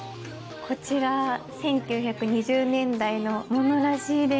こちら１９２０年代のものらしいです。